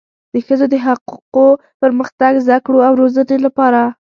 د ښځو د حقوقو، پرمختګ، زده کړو او روزنې لپاره